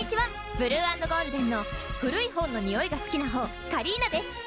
ブルー＆ゴールデンの古い本の匂いが好きなほうカリーナです。